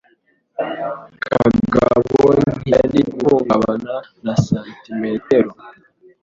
Kagabo ntiyari guhungabana na santimetero: